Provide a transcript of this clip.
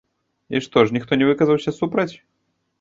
І што ж, ніхто не выказаўся супраць?